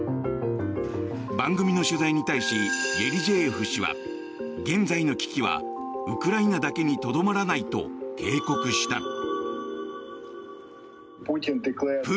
番組の取材に対しイェリジェーエフ氏は現在の危機はウクライナだけにとどまらないと警告した。